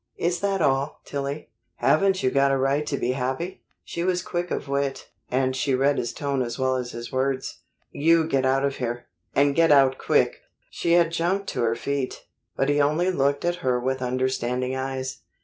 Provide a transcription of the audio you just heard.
"Is that all, Tillie? Haven't you got a right to be happy?" She was quick of wit, and she read his tone as well as his words. "You get out of here and get out quick!" She had jumped to her feet; but he only looked at her with understanding eyes.